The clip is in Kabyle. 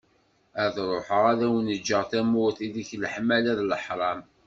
Ad ruḥeγ ad awen-ğğeγ tamurt, ideg leḥmala d leḥram.